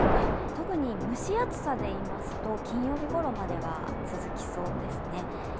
特に蒸し暑さでいいますと、金曜日ごろまでは続きそうですね。